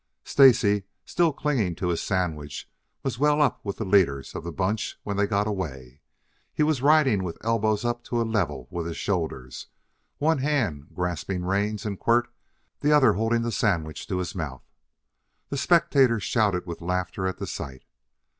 Stacy, still clinging to his sandwich, was well up with the leaders of the bunch when they got away. He was riding with elbows up to a level with his shoulders, one hand grasping reins and quirt, the other holding the sandwich to his mouth. The spectators shouted with laughter at the sight.